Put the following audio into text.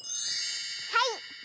はい。